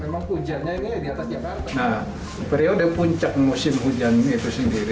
nah periode puncak musim hujan itu sendiri